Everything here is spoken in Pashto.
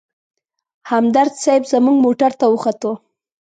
همدرد صیب زموږ موټر ته وختو.